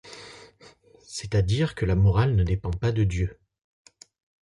C'est-à-dire que la morale ne dépend pas de Dieu.